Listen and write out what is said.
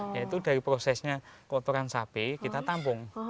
yaitu dari prosesnya kotoran sapi kita tampung